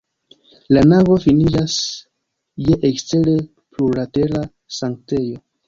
La navo finiĝas je ekstere plurlatera sanktejo.